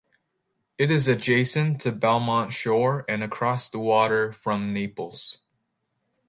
It is adjacent to Belmont Shore and across the water from Naples.